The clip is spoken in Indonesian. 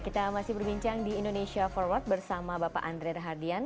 kita masih berbincang di indonesia forward bersama bapak andre rahardian